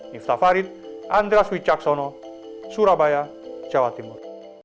niftafarid andras wicaksono surabaya jawa timur